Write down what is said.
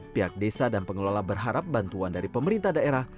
pihak desa dan pengelola berharap bantuan dari pemerintah daerah